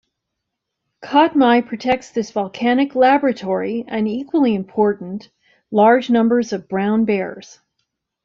Katmai protects this volcanic "laboratory" and, equally important, large numbers of brown bears.